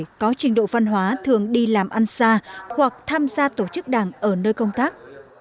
đảng có trình độ văn hóa thường đi làm ăn xa hoặc tham gia tổ chức đảng ở nơi công tác